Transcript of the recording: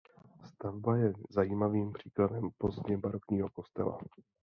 Stavba je zajímavým příkladem pozdně barokního kostela.